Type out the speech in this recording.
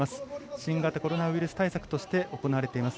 新型コロナウイルス対策として行われています。